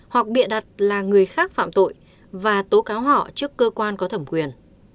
hoặc bịa đặt là người khác phạm tội và tố cáo họ trước cơ quan có thẩm quyền